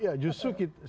ya justru saya ingin